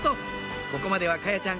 ここまでは華彩ちゃん